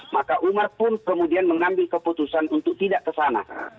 maka umar pun kemudian mengambil keputusan untuk tidak kesana